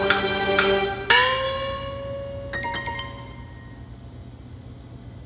kucing yang menggambar kucing